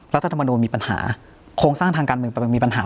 แล้วถ้าธรรมนูนมีปัญหาโครงสร้างทางการเมืองมันมีปัญหา